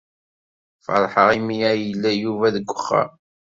Feṛḥeɣ imi ay yella Yuba deg wexxam.